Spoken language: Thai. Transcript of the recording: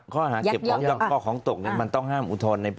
ครับขอบคุณมากครับ